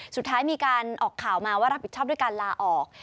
สุดท้ายมีการออกข่าวมาว่ารับผิดชอบด้วยการลาออก